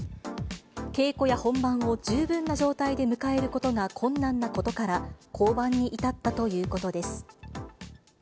稽古や本番を十分な状態で迎えることが困難なことから、降板に至ったということです。